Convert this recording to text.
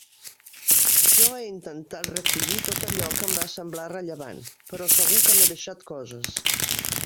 Jo he intentat recollir tot allò que em va semblant rellevant, però segur que m'he deixat coses.